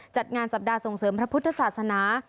จัดงานสัปดาห์ส่งเสริมพระพุทธศาสนา